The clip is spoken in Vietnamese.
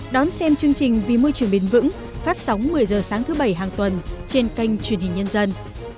đón xem chương trình vì môi trường bền vững phát sóng một mươi h sáng thứ bảy hàng tuần trên kênh truyền hình nhân dân